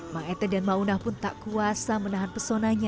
mang ete dan maunah pun tak kuasa menahan pesonanya